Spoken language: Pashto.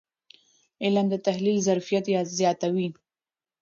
علم د تحلیل ظرفیت زیاتوي.